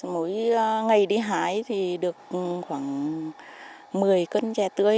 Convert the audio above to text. mỗi ngày đi hái thì được khoảng một mươi cân chè tươi